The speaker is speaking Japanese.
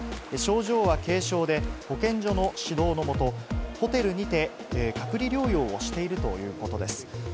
症状は軽症で、保健所の指導の下、ホテルにて隔離療養をしているということです。